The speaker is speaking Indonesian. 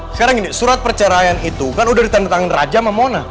sekarang gini surat perceraian itu kan udah ditandatangan raja sama mona